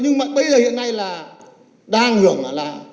nhưng mà bây giờ hiện nay là đang hưởng là